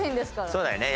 そうだよね。